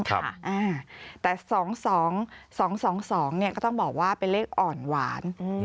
ครับอ้าวแต่๒๒๒๒๒เนี่ยก็ต้องบอกว่าเป็นเลขอ่อนหวาน